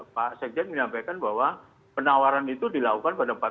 pak sekjen menyampaikan bahwa penawaran itu dilakukan pada empat puluh sembilan saat